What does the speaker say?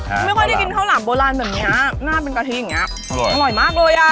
อื้มหอมอ่ะไม่ค่อยได้กินข้าวหลังโบราณแบบนี้น่าเป็นกะทิอย่างนี้อร่อยมากเลยอ่ะ